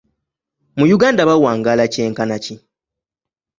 Mu Uganda bawangaala kyenkana ki?